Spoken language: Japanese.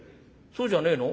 そうじゃねえの？